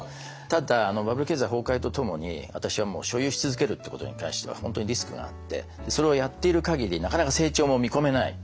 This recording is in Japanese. ただバブル経済崩壊とともに私は所有し続けるってことに関しては本当にリスクがあってそれをやっている限りなかなか成長も見込めない。